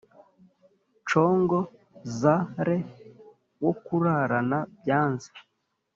Congo Za re wo kurarana byanze